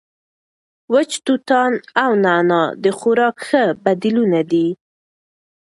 وچ توتان او نعناع د خوراک ښه بدیلونه دي.